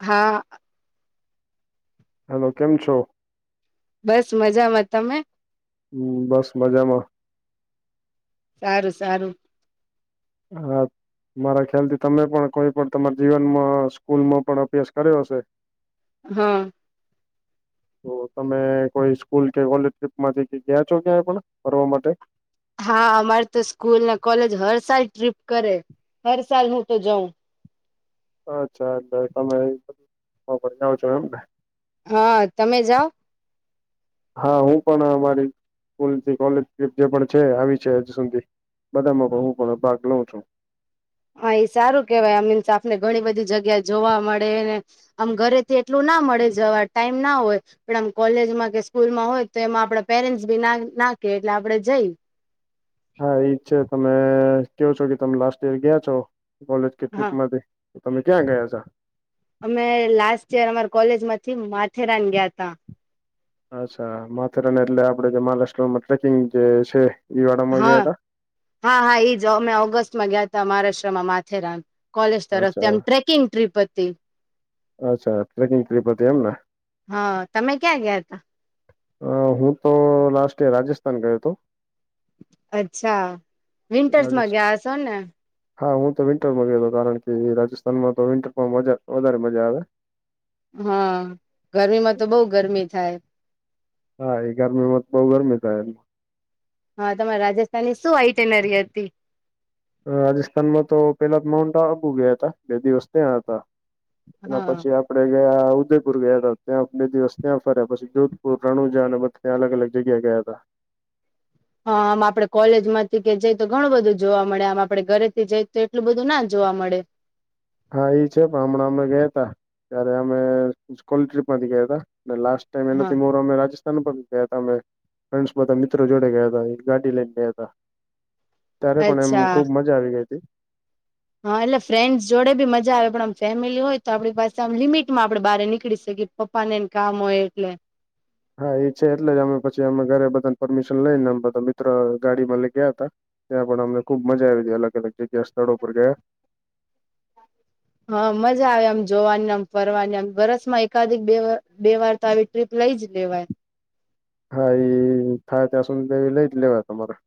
હા. હલો કેમ છો? બસ મજામાં તમે? હમ બસ મજામાં. સારું સારું. હા મારા ખ્યાલ થી તમે પણ કોઈ પણ તમારા જીવનમાં સ્કૂલમાં પણ અભ્યાસ કર્યો હશે. [inaudible] હમ [inaudible] તો તમે કોઈ સ્કૂલ કે કોલેજ ટ્રીપમાંથી ગયા છો ક્યાંય પણ ફરવા માટે હા અમારે તો સ્કૂલ ને કોલેજ હર સાલ ટ્રીપ કરે હર સાલ હું તો જાઉં અચ્છા એટલે તમેધ ભ આવ છો એમ ને [inaudible] હા તમે જાઓ? હા હું પણ અમારી સ્કૂલ થી કોલેજ જે પણ છે આવી છે હજુ સુધી બધામાં પણ હું પણ ભાગ લઉં છું હા એ સારું કેવાય આ મીન્સ આપને ઘણી બધી જગ્યા જોવા મળે ને આમ ઘરેથી એટલું ના મળે જવા ટાઈમ ના હોય પણ આમ કોલેજમાં કે સ્કૂલમાં હોય તો એમાં આપણા પેરેન્ટસ ભી ના નાકે એટલે આપડે જઈ. હા એજ છે તમે કવો છો કે તમે લાસ્ટ ઈયર ગયા છો કોલેજ કે ટ્રીપ હા માંથી તમે ક્યાં ગયા છો. અમે લાસ્ટ યર અમાર કોલેજ માંથી માથેરાન ગયા ત. અચ્છા માથેરાને એટલે આપડે જે મહારાષ્ટ્રમાં ટ્રેકિંગ જે છે ઈ વાડાામાં હા ગયા હતા. હા હા એ જ મેં ઓગસ્ટમાં ગયા હતા મહારાષ્ટ્રમાં માથેરાન કોલેજ તરફથી અચ્છા આમ ટ્રેકિંગ ટ્રીપ હતી. અચ્છા ટ્રેકિંગ કરી પડતી એમને હા તમે ક્યાં ગયા તા અ હું તો લાસ્ટ રાજસ્થાન ગયો હતો. અચ્છા વિન્ટર્સ માં ગયા હ છો ને. હા હું તો વિન્ટરમાં ગયોતો હતો કારણ કે રાજસ્થાનમાં તો વિન્ટરમાં મજા વધારે મજા આવે. હા ગરમીમાં તો બહુ ગરમી થાય. હા એ ગરમીમાંત બઉુ ગરમી થાય એ હા તમારા રાજસ્થાનની શું આઇટેનરી હતી. રાજસ્થાનમાં તો પેલા માઉન્ટ આબુ ગયા હતા બે દિવસ ત્યાં હતા. એના હા પછી આપ આપણે ગયા ઉદયપુર ગયા હતા ત્યાં બે દિવસ ત્યાં ફરેયા પછી જોધપુર રણુજા અને બધે ત્યાં અલગ અલગ જગ્યા ગયા હતા. હા આમ આપડે કોલેજ માંથી કે જઈ તો ઘણું બધું જોવા મળે આમ આપડે ઘરે થી જઈ તો એટલું બધું ના જોવા મળે. હા એ છે પણ હમણાં અમે ગયા તા ત્યારે અમે સ્કૂલ ટ્રીપમાંથી ગયા ત લાસ્ટ મ હા નથીથી મોરોમે રાજસ્થ ગયા હતા અમે ફ્રેન્ડ બધા મિત્રો જોડે ગયા હતા ગાડી લઈને ગયા હતા. ત્યારે પણ એમ અચ્છા ખુબ મજા આવી ગઈ હતી. હા એટલે ફ્રેન્ડ્સ જોડે બી મજા આવે પણ આમ ફેમિલી હોય તો આપણી પાસે આમ લિમિટ માં આપણે બહાર નીકળી શકીએ. પપાને એને કામ હોય એટલે હા એ છે એટલે જ અમે પછી અમે ઘરે બધાને પરમિશન લઈને બધા મિત્ર ગાડીમાં લઇ ગયા હતા. ત્યાં પણ અમને ખુબ મજા આવી ગ અલગ અલગ જગ્યા સ્થળો પર ગયા. હા મજા આવે આમ જોવાની આમ ફરવાની આમ વરસ માં એકાધિક બે બે વાર તો આવી. રિપ્લાય જ લેવાય. હા એ થાય ત્યાં સુધી લેવી લઈ જ લેવા તમારે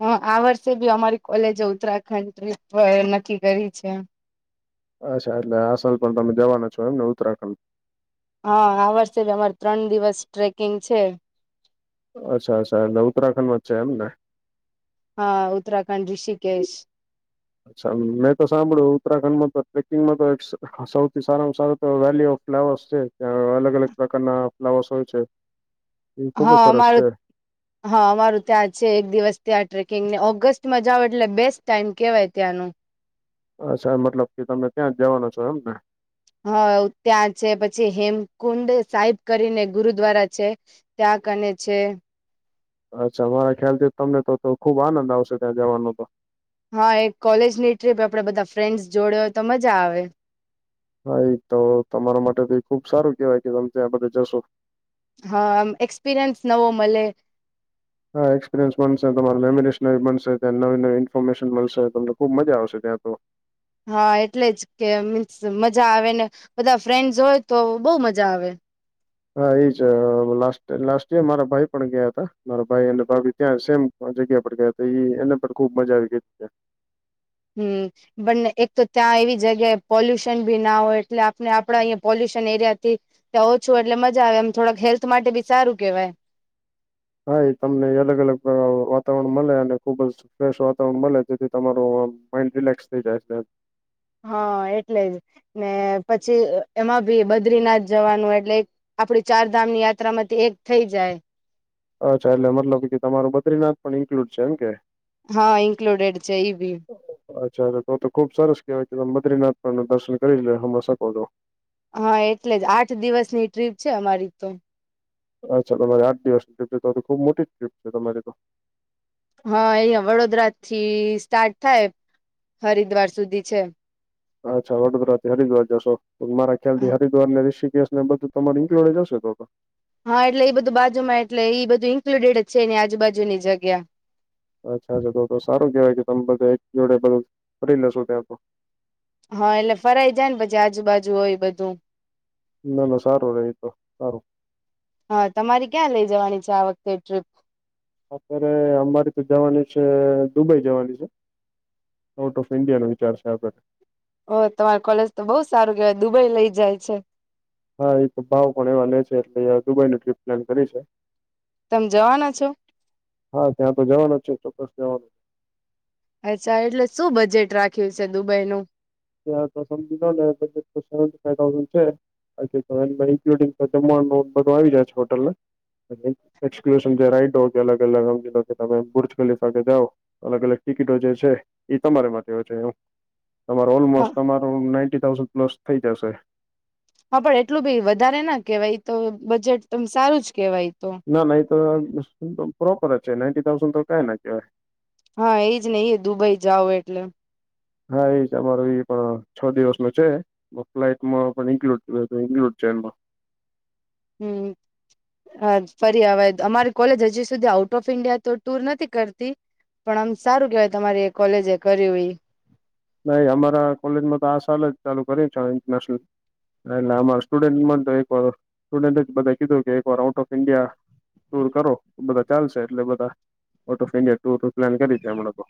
હા આ વર્ષે બી અમારી કોલેજો ઉત્તરાખંડ ટ્રીપ પર નક્કી કરી છે. અચ્છા એટલે આસલ પણ તમે જવાના છો એમને ઉત્તરાખંડ હા આ વર્ષે ભી અમારે ત્રણ દિવસ ટ્રેકિંગ છે. અચ્છા અચ્છા એ ઉત્તરાખંડમાં છે એમ ને હા ઉત્તરાખંડ ઋષિકેશ. અચ્છા મેં તો સાંભળ્યું ઉત્તરાખંડમાં તો ટ્રેકિંગમાં તો સૌથી સારામાં સારા તો વેલી ઓફ ફ્લાવર્સ છે ત્યાં અલગ અલગ પ્રકારના ફ્લાવર્સ હોય છે. એ ખુબ જ હા સરસ છે મામારે હા અમારુ ત્યા છે, એક દિવસ ત્યાં ટ્રેકિંગ ને ઓગસ્ટમાં જઓ, એટલે બેસ્ટ ટાઈમ કેહેવાય ત્યાંનુ અચ્છા મતલબ કે તમે ત્યાં જવાનો છો, એમ ને હા ત્યા છે, પછી હેમકુંડ સાહેબ કરીને ગુરુદ્વારા છે. ત્યાં કને છે. અચ્છા મારા ખ્યાલ છે, તમને તો ખુબ આનંદ આવશે ત્યાં જવાનો તો હા એક કોલેજની ટ્રીપ આપડે બધા ફ્રેન્ડ્સ જોડે હોય તો મજા આવે હા એ તો તમારા માટે તો ખુબ સારું કેહેવાય કે તમે ત્યા આ બધા જશો. હા આમ એક્સપિરિયન્સ નવો મળે હા એક્સપિરિયન્સ બનશે તમારી મેમોરીશ નવી બનશે ત્યાં નવી નવી ઇન્ફોર્મેશન મળશે તમને ખુબ મજા આવશે ત્યા તો હા એટલે જ કે મીન્સ મજા આવે ને બધા ફ્રેન્ડસ હોય તો બહુ મજા આવે હા ઈજ અ અવ લાસ્ટ લાસ્ટ યર મારા ભાઈ પણ ગ્યા તા મારા ભાઈ અને ભાભી ત્યાં સેમ જગ્યા પર ગયા ઈ એ એને પણ ખુબ મજા આવી ગઈ ત્યા હમ્મ બંને એક તો ત્યાં એવી જગ્યાએ પોલ્યુશન બી ના હોય એટલે આપને આપળા અંયા પોલ્યુશન એરિયાથી. ત્યાં ઓછું એટલે મજા આવે એમ થોળાક હેલ્થ માટે બી સારું કેવાય હા એ તમને અલગ અલગ અ વાતાવરણ મલે અને ખુબ જ ફ્રેશ વાતાવરણ મલે જેથી તમારું આમ માઇન્ડ રિલેક્સ થઈ જાય છે. હા એટલે જ, ને પછી એમાં ભી બદ્રીનાથ જવાનું એટલે આપળી ચાર ધામ ની યાત્રા માંથી એક થઈ જાય. અચ્છા એટલે મતલબ ઈ કે તમારું બદ્રીનાથ પણ ઇન્ક્લુડ છે, એમ કે હા ઈન્કલુડેડ છે ઈ ભી અચ્છા તો તો ખુબ સરસ કેવાય કે તમે બદ્રીનાથ પણ દર્શન કરી લિયો હમે શકો હા એટલે જ આઠ દિવસની ટ્રીપ છે, અમારી તો અચ્છા તમારી આઠ દિવસની ટ્રીપ છે, તો તો ખુબ મોટી ટ્રીપ છે તમારી તો હા અંયા વડોદરા થી સ્ટાર્ટ થાય હરિદ્વાર સુધી છે. અચ્છા વડોદરા થી હરિદ્વાર જશો તો મારા ખ્યાલથી હરિદ્વાર ને ઋષિકેશ ને બધું તમારું ઇન્ક્લુડ જ અશે તો તો હા એટલે ઈ બધું બાજુ માં એટલે ઈ બધું ઇન્ક્લુડેડ છે એની આજુબાજુની જગ્યા અચ્છા અચ્છા તો તો સારું કેવાય કે તમે બધા એક જોડે બધું ફરી લેશો ત્યા તો હા એટલે ફરાઈ જાય ને પછી આજુબાજુ હોય બધુ ના ના સારું રય ઈ તો સારુ હા તમારી ક્યાં લઇ જવાની છે, આ વખતે ટ્રીપ અત્યારે અમારી તો જવાની છે, દુબઈ જવાની છે. ઔટ ઓફ ઈન્ડિયાનો વિચાર છે, આગળ ઓ તમાર કોલેજ તો બો સારુ કેવાય દુબઈ લઇ જાય છે. હા એ તો ભાવ પણ એવા લય છે એટલે દુબઈ નું ટ્રીપ પ્લાન કરી છે. તમ જવાનાં છો. હા ત્યાં તો જવાનો જ છુ, ચોક્કસ જવાનુ અચ્છા એટલે શું બજેટ રાખ્યું છે, દુબઈનુ અત્યરે તો સમજી લોને સેવેન્ટી ફાઇ થાઉઝંન્ડ છે. અચ્છા તો ઇન્ક્લુડિન જમવાનું બધું આવી જાય છે, હોટલ ને એકદમ એક્સકલુસીવ અલગ અલગ બુર્જખલીફા કે જાઓ. અલગ અલગ ટિકિટો જે છે ઈ તમારે માટે હોય છે એમ હ ઓલમોસ્ટ અમારું નાઇન્ટી થાઉઝન્ડ પ્લસ થય જશે. હા પણ એટલું બી વધારે ના કેવાય ઈ તો બજેટ તમ સારું જ કેવાય ઈ તો ના ના ઈ તો મીન્સ આમ પ્રોપર જ છે નાઇન્ટી થાઉઝન્ડ તો કાંય ના કેવાય હા ઈજ ને ઈ દુબઈ જાવ એટલે હા ઈ જ અમારો ઈ પણ છો દિવસ નો છે. વકલાઇટમાં પણ ઇન્લુડ જુએ ઇન્લુડ છે, એમા હમ્મ આજ ફરી અવાય અમારી કોલેજ હજી સુધી આઉટ ઓફ ઇન્ડિયા તો ટુર નથી કરતી. પણ આમ સારું કેવાય તમારી કોલેજ એ કરીયુ ઈ. નય અમારા કોલેજમાં તો આ સલ જ ચાલુ કરીચુ છે આ ઇન્ટરનેશનલ હ એટલે આમાં સ્ટુડન્ટ મન તો એક વાર સ્ટુડન્ટ એજ બધા કીધું કે એક વાર આઉટ ઓફ ઇન્ડિયા ટુર કરો બધા ચાલશે એટલે બધા આઉટ ઓફ ઇન્ડિયા ટુર નું પ્લાન કરી છે અમે લોકો.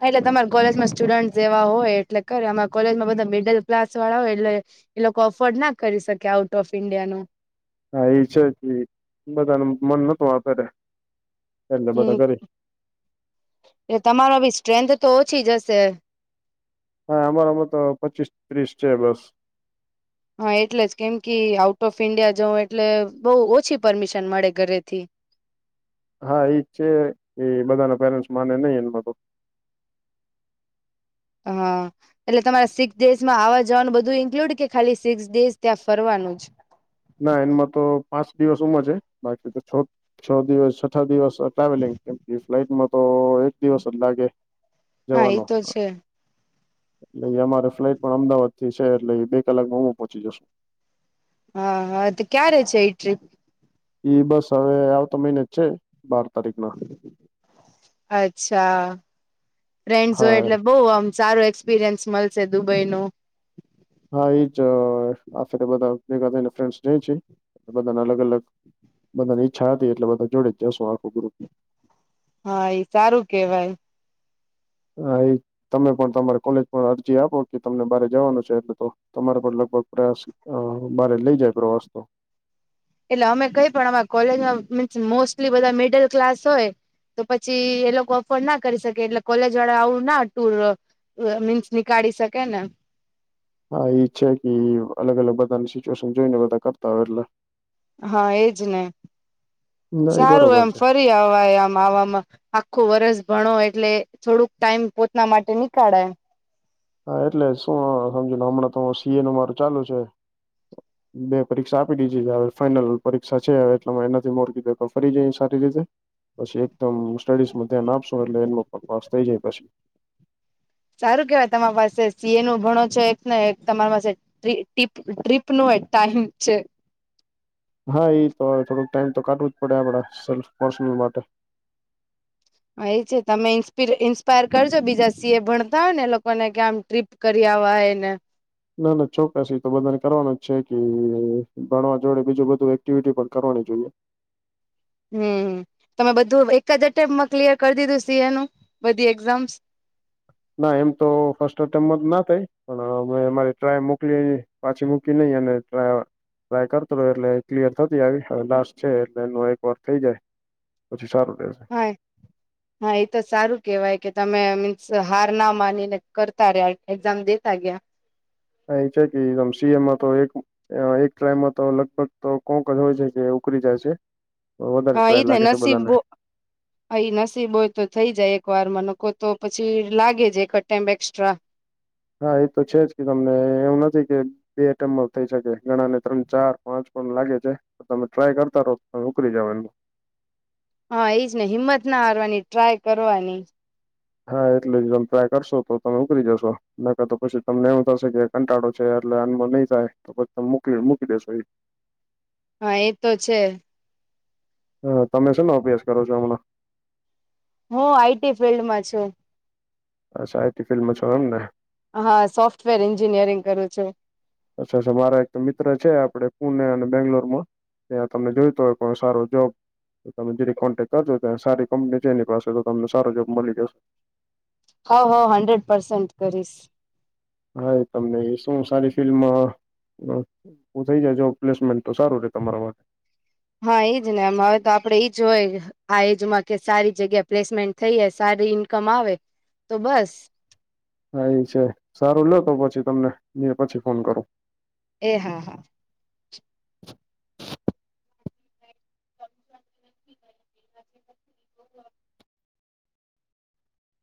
હ એટલે તમાર કોલેજમાં સ્ટુડન્ટ જેવા હોય એટલે કર અમાર કોલેજમાં બધા મિડલ ક્લાસ વાળા હોય એટલે એ લોકો અફોર્ડ ના કરી શકે આઉટ ઓફ ઇન્ડિયા નું. હા ઈ છે જ ઈ, બધા નું મન નોતું આપેરે. હમ, એ તમારામાં બી સ્ટ્રેન્થ તો ઓછી જ હશે. હા અમારામાં તો પચીસ ત્રીસ છે બસ. હા એટલે જ કેમ કે આઉટ ઓફ ઈન્ડિયા જવ એટલે બહુ ઓછી પરમિશન મળે ઘરેથી હા એજ છે એ બધા ના પેરેન્ટસ માને નઈ એમાં તો હા એટલે તમારે સિક્સ ડેઝ માં આવવા જવાનું બધું ઇન્ક્લુડ કે ખાલી સિક્સ ડેઝ ત્યાં ફરવાનું જ ના એમાં તો પાંચ દિવસ ઉમર છે બાકી તો છ છ દિવસ છઠ્ઠા દિવસ ટ્રાવેલિંગ કેમ ફ્લાઇટમાં તો એક દિવસ જ લાગે હા એ જવાનો તો છે એટલે અમારે ફ્લાઇટ પણ અમદાવાદ થી છે એટલે એ બે કલાક માં હું પહોંચી જશું હા હા તો ક્યાં ર છે એ ટ્રીપ એ બસ હવે આવ તો મહિને છેે બાર તારીખ ના અચ્છા હા ફેરનડહોયએટલે બઉ આમ સારું એક્સપિરિયન્સ મળશે દુબઈ નો હા, એ જ આપડે બધાં ભેગા થાઈ ને ફ્રેન્ડ્સ જાઈ છે, બધાં ના અલગ-અલગ બધાને ઈચ્છા હતી એટલે બધા જોડે જ જાશુ આખુ ગ્રુપ હા એ સારું કેવાય [unintelligible] તમે પણ તમારે કોલેજ પણ અરજી આપો કે તમને બારેજવાનું છે એટલે તો તમારે પણ લગભગ પ્રયાસ હ મારે લઇ જાય પ્રવાસ તો એટલે અમે કઈ પણ અમાર કોલેજમાં મીન્સ મોસ્ટલી બધા મિડલ ક્લાસ હોય તો પછી એ લોકો અફોર્ડ ના કરી શકે એટલે કોલેજ વાળા આવડું ના ટુર મીન્સ નીકાળી શકે ને હા એ જ છે કે અલગ અલગ બધાની સિચ્યુએશન જોઈને બધા કરતા હોય એટલે હા એજ ને ના એ સારું બરોબર એમ છે ફરી આવય આમ આવામાં આખું વરસ ભણો એટલે થોડુંક ટાઈમ પોતાના માટે નીકાળાય હા એટલે શું સમજુહમણાં તો સીએ નું મારું ચાલુ છે. બે પરીક્ષા આપી દીધી છે હવે ફાઇનલ પરીક્ષા છે હવે એટલે એનાથી મોરકી દ ફરી જઈ સારી રીતે પછી એકદમ સ્ટડીઝમાં ધ્યાન આપશો એટલે એનો પણ પાસ થઈ જાય પછી સારું કેવાય તમારી પાસે સી એ નું ભણો છે એક ને એક તમારી પાસે ટ ટ્રીપ નો ટાઈમ છે હા એ તો થોડુંક ટાઈમ તો કાઢવું જ પડે આપડે સેલ્ફ પર્સનલ માટે હા એ છે તમે ન્પ ઇન્સ્પાયર કરજો બીજા સી એ ભણતા હોય ને લોકોને કે આમ ટ્રીપ કરીિ અવાય એને ના ના ચોક્કસ તો બધાને કરવાનું જ છે કે ભણવા જોડે બીજું બધું એક્ટિવિટી પણ કરવાની જોઈએ હમ તમે બધું એક જ અટેમ્પમાં ક્લિયર કરી દીધું સીએ નું બધી એક્ઝામ્સ ના એમ તો ફર્સ્ટ એટેમ જ તોના થાય પણ અમે અમારી ટ્રાય મોકલી પાછી મૂકી નઈ અને ટા ય કરતો એટલે ક્લિયર થતી આવી હવે લાસ્ટ છે એટલે એ એક વાર થઈ જાય પછી સારું રહે હ હા એ તો સારું કેહેવાય કે તમે મીન્સ હાર ના માનીને કરતા રહ્યા એક્ઝામ દેતા ગયા. અ એ છે કેમસીી એમાં તો એક એક ટ્રાયમાં તો લગભગ તો કોક હોય છે કે ઉકરી જાય છે. તો વધારે ટ્રાય લાગે છે બધાને. હા ઇ નસીબ હોય તો થઈ જાય એક વારમા નકર પછી લાગે જ એક ટાઈમ એકસ્ટ્રા. હા એ તો છે જ કે તમને એવું નથી કે બે એટમમાં થઈ શકે ઘણા ને ત્રણ ચાર પાંચ પણ લાગે છે. તમે ટ્રાય કરતા રહો તમે ઉકલી જાવ એનું. હા એજ ને હિંમત ના હરવાની ટ્રાય કરવાની. હા એટલે જ તમે ટ્રાય કરશો તો તમે ઉકળી જશો. ના કર તો પછી તમને એવું થશે કે કંટાળો છે એટલે આનમાં નહીં થાય તો પછી તમેક મૂકી દેેશો એ. હા એ તો છે. હા, તમે શેનો અભ્યાસ કરો છો, હમણાં? હું આઈટી ફિલ્ડમાં છું. અચ્છા આટી ફિલ્માં છો, અમને. હા સોફ્ટવેર એન્જિનિયરિંગ કરું છું. અચ્છા અચ્છા મારા એક મિત્ર છે, આપડે પુણે અને બેંગ્લોરમાં. ત્યાં તમને જોઈતો હોય કોઈ સારો જોબ તમે જે કોન્ટેક્ટ કરજો ત્યાં સારી કંપની છે, એની પાસે તો તમને સારો જોબ મળી જશે. હોવ, હોવ હંડ્રેડ પર્સેન્ટ કરીશ. હા તમને શું સારી ફિલ્મ હા થઈ જયા જો પ્લેસમેન્ટ તો સારું રે તમારા માટે. હા એઈજ ને એમ હવે તો આપડે ઈજ હોય. આ એજમાં કે સારી જગ્યા પ્લેસમેન્ટ થઈજ સારી ઈન્કમ આવે તો બસ હા એ છે, સારું લેતો પછી તમને પછી ફોન કરું. એહા, હા.